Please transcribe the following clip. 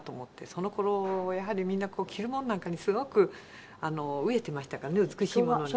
その頃やはりみんな着るものなんかにすごく飢えていましたからね美しいものに。